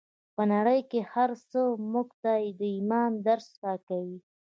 په نړۍ کې هر څه موږ ته د ايمان درس راکوي.